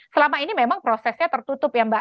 selama ini memang prosesnya tertutup ya mbak